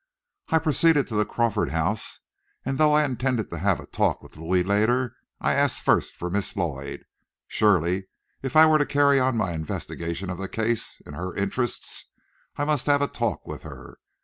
I proceeded to the Crawford house, and though I intended to have a talk with Louis later, I asked first for Miss Lloyd. Surely, if I were to carry on my investigation of the case, in her interests, I must have a talk with her.